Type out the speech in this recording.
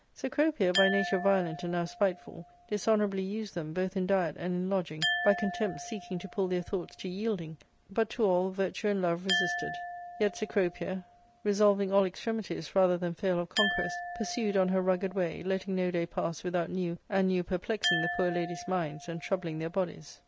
Cecropia, by nature violent and now spiteful, dishonour^ ably used them, both in diet and in lodging, by contempt seeking to pull their thoughts to yielding. But to all virtue and love resisted ; yet Cecropia, resolving all extremities z 338 ARCADIA.—Book III. rather than fail of conquest, pursued on her rugged way, letting no day pass without new and new perplexing the poor ladies' minds and troubling their bodies.